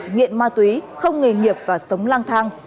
nghiện ma túy không nghề nghiệp và sống lang thang